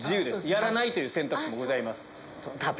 やらないという選択肢もございます。